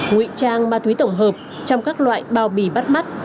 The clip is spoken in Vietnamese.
ngụy trang ma túy tổng hợp trong các loại bao bì bắt mắt